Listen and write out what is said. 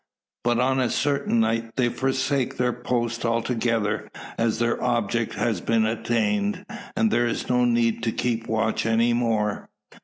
But on a certain night they forsake their post altogether, as if their object has been attained, and there is no need to keep watch any more.